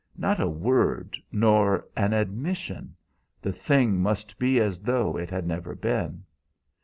Not a word nor an admission; the thing must be as though it had never been!